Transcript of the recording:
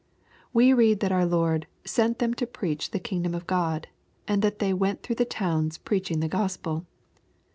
We read that our Lord "sent them to preach the kingdom of God/' and that "they went through the towns preaching the Gospel."